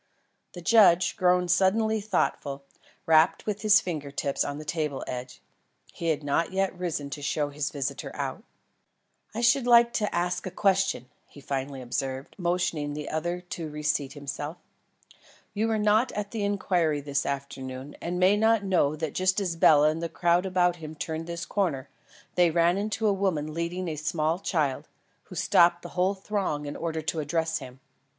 The judge, grown suddenly thoughtful, rapped with his finger tips on the table edge. He had not yet risen to show his visitor out. "I should like to ask a question," he finally observed, motioning the other to re seat himself. "You were not at the inquiry this afternoon, and may not know that just as Bela and the crowd about him turned this corner, they ran into a woman leading a small child, who stopped the whole throng in order to address him.